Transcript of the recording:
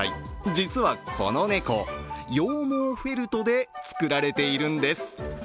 実はこの猫羊毛フェルトで作られているんです。